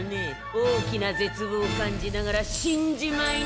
大きな絶望を感じながら死んじまいな！